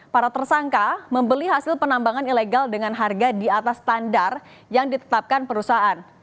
para tersangka membeli hasil penambangan ilegal dengan harga di atas standar yang ditetapkan perusahaan